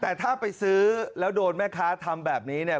แต่ถ้าไปซื้อแล้วโดนแม่ค้าทำแบบนี้เนี่ย